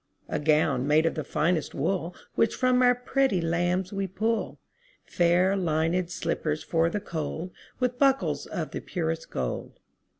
A gown made of the finest wool Which from our pretty lambs we pull; Fair linèd slippers for the cold, 15 With buckles of the purest gold.